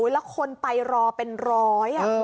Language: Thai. แล้วคนไปรอเป็นร้อย